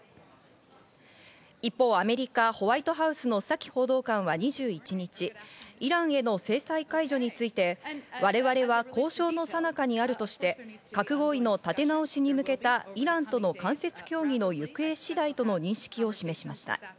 一方、アメリカホワイトハウスのサキ報道官は２１日イランへの制裁解除について我々は交渉の最中にあるとして核合意の立て直しに向けたイランとの間接協議の行方次第との認識を示しました。